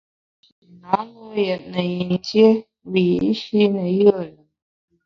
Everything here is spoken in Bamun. Nji na lo’ yètne yin dié wiyi’shi ne yùe lùm.